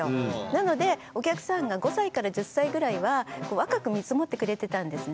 なのでお客さんが５歳から１０歳ぐらいは若く見積もってくれてたんですね。